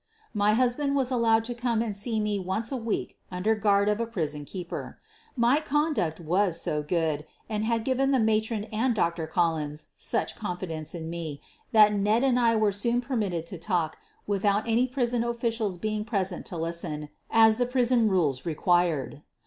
My husband was allowed to come and see me once a week under guard of a prison keeper. My conduct was so good and had given the matron and Dr. Collins such confidence in me that Ned and I were soon permitted to talk without any prison offi cial being present to listen, as the prison rules re quired.